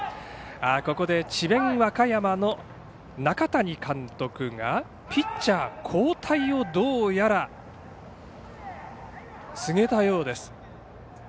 ここで、智弁和歌山の中谷監督がピッチャー交代を、どうやら告げたようです。